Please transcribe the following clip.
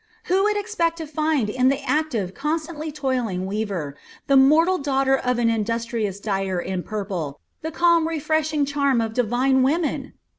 Who would expect to find in the active, constantly toiling weaver, the mortal daughter of an industrious dyer in purple, the calm, refreshing charm of divine women?